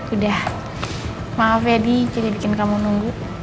udah maaf ya adi jadi bikin kamu nunggu